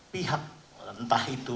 pihak entah itu